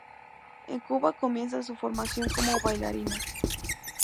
En Cuba comienza su formación como bailarina.